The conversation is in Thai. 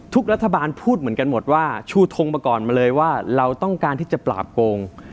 รัฐบาลพูดเหมือนกันหมดว่าชูทงมาก่อนมาเลยว่าเราต้องการที่จะปราบโกง